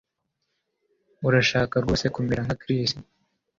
Urashaka rwose kumera nka Chris